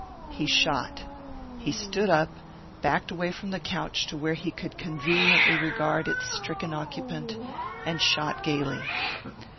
He shot. He stood up, backed away from the couch to where he could conveniently regard its stricken occupant, and shot gaily.